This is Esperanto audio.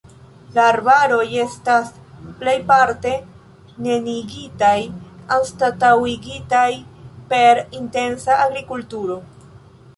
La arbaroj estas plejparte neniigitaj, anstataŭigitaj per intensa agrikulturo.